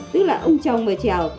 tức là ông chồng mà trèo